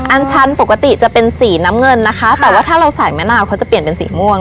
อันชันปกติจะเป็นสีน้ำเงินนะคะแต่ว่าถ้าเราใส่มะนาวเขาจะเปลี่ยนเป็นสีม่วง